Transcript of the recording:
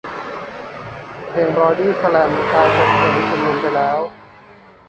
เพลงบอดี้สแลมกลายเป็นเพลงชุมนุมไปแล้ว